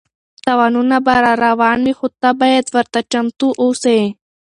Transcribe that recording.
تاوانونه به راروان وي خو ته باید ورته چمتو اوسې.